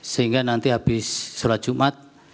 sehingga nanti habis sholat jumat